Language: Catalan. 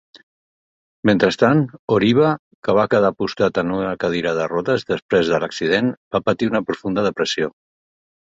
Mentrestant, Horiba, que va quedar postrat en una cadira de rodes després de l"accident, va patir una profunda depressió.